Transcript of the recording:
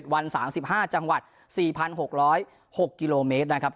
วัน๓๕จังหวัด๔๖๐๖กิโลเมตรนะครับ